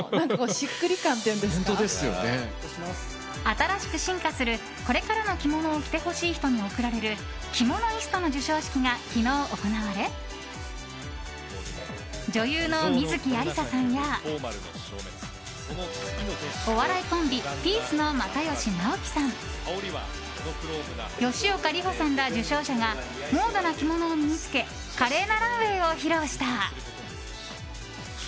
新しく進化するこれからのキモノを着てほしい人に贈られるキモノイストの授賞式が昨日行われ女優の観月ありささんやお笑いコンビ、ピースの又吉直樹さん吉岡里帆さんら受賞者がモードな着物を身に着け華麗なランウェーを披露した。